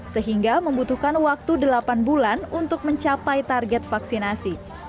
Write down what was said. sehingga membutuhkan waktu delapan bulan untuk mencapai target vaksinasi